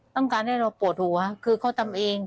ต้องการให้เราปวดหัวคือเขาทำเอง